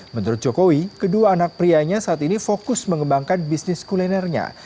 menurut jokowi kedua anak prianya saat ini fokus mengembangkan bisnis kulinernya